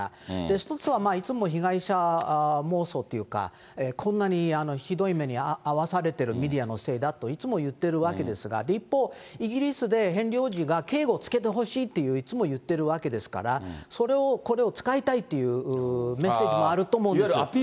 一つはいつも被害者妄想というか、こんなにひどい目に遭わされてるメディアのせいだといつも言ってるわけですが、一方、イギリスでヘンリー王子が警護をつけてほしいっていつも言ってるわけですから、それを、これを使いたいっていうメッセージもあると思うんですよ。